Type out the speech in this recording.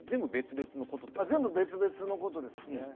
全部、別々のことですね。